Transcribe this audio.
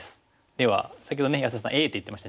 では先ほどね安田さんＡって言ってました。